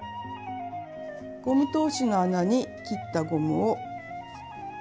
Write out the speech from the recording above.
ゴム通しの穴に切ったゴムを通します。